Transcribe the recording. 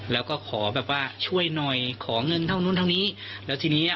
แล้วก็ขอแบบว่าช่วยหน่อยขอเงินเท่านู้นเท่านี้แล้วทีนี้อ่ะ